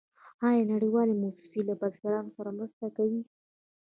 آیا نړیوالې موسسې له بزګرانو سره مرسته کوي؟